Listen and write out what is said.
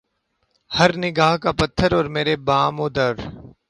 ہر نگاہ کا پتھر اور میرے بام و در